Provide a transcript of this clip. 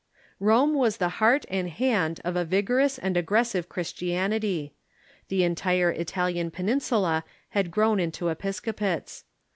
Rome was the heart and hand of a vigorous and aggressive Christianity. The entire Italian peninsula had grown into episcopates.